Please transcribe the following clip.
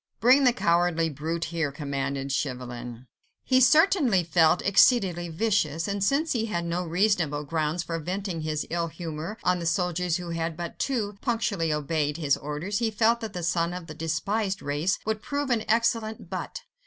"Bring the cowardly brute here," commanded Chauvelin. He certainly felt exceedingly vicious, and since he had no reasonable grounds for venting his ill humour on the soldiers who had but too punctually obeyed his orders, he felt that the son of the despised race would prove an excellent butt.